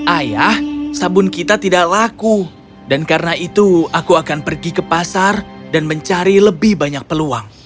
ayah sabun kita tidak laku dan karena itu aku akan pergi ke pasar dan mencari lebih banyak peluang